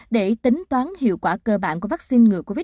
để tính toán hiệu quả cơ bản của vaccine ngừa covid một mươi chín